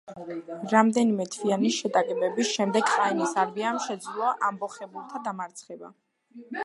რამდენიმე თვიანი შეტაკებების შემდეგ ყაენის არმიამ შეძლო ამბოხებულთა დამარცხება.